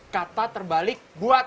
kata terbalik buat